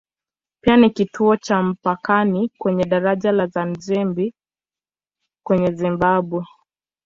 Pia ni kituo cha mpakani kwenye daraja la Zambezi kwenda Zimbabwe.